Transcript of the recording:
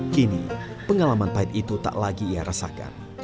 kini pengalaman pahit itu tak lagi ia rasakan